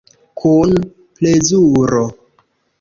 Kun plezuro.